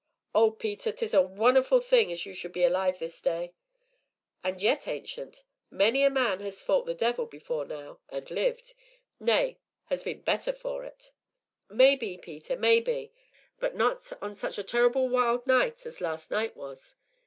"Oh, Peter, 'tis a wonnerful thing as you should be alive this day!" "And yet, Ancient, many a man has fought the devil before now and lived nay, has been the better for it." "Maybe, Peter, maybe, but not on sech a tur'ble wild night as last night was."